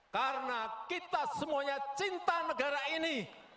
karena kita semuanya cinta negara ini